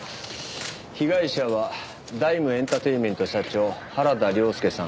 被害者はダイムエンタテイメント社長原田良輔さん４０歳。